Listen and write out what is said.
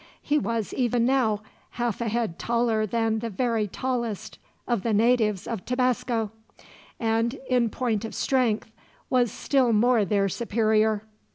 He was, even now, half a head taller than the very tallest of the natives of Tabasco; and in point of strength, was still more their superior.